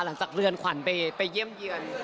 หลังจากเลือนขวาไปเยี่ยมเยือน